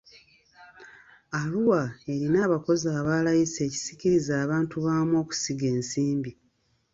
Arua erina abakozi aba layisi ekisikiriza abantu baamu okusiga ensimbi.